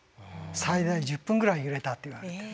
最大１０分ぐらい揺れたっていわれてる。